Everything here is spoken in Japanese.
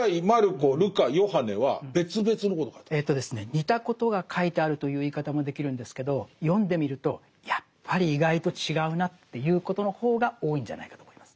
似たことが書いてあるという言い方もできるんですけど読んでみるとやっぱり意外と違うなっていうことの方が多いんじゃないかと思います。